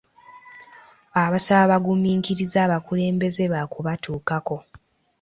Abasaba bagumiikirize abakulembeze baakubatuukako.